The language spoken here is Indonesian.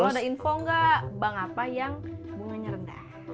kalau ada info nggak bank apa yang bunganya rendah